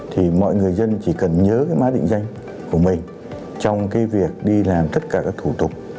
thì mọi người dân chỉ cần nhớ cái mã định danh của mình trong cái việc đi làm tất cả các thủ tục